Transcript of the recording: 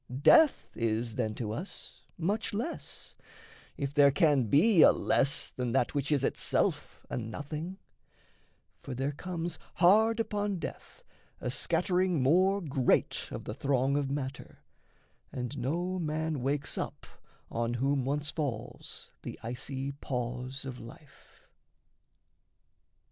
Death is, then, to us Much less if there can be a less than that Which is itself a nothing: for there comes Hard upon death a scattering more great Of the throng of matter, and no man wakes up On whom once falls the icy pause of life.